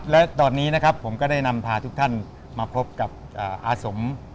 และตอนนี้ผมได้นำพาทุกท่านมาพบกับอาสม